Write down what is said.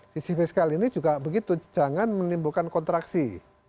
sisi fiskal ini juga begitu jangan menimbulkan kontraksi